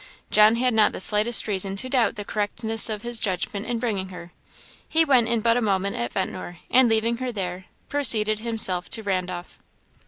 John had not the slightest reason to doubt the correctness of his judgment in bringing her. He went in but a moment at Ventnor, and leaving her there, proceeded himself to Randolph.